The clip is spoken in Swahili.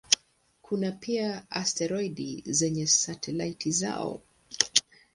Kuna pia asteroidi zenye satelaiti zao.